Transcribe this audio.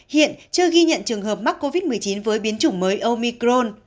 hiện chưa ghi nhận trường hợp mắc covid một mươi chín với biến chủng mới omicron